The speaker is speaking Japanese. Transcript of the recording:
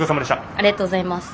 ありがとうございます。